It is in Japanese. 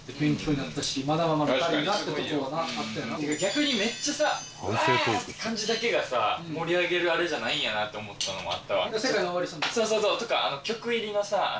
逆にめっちゃさうわー！って感じだけがさ盛り上げるあれじゃないんやなと思ったのもあったわ。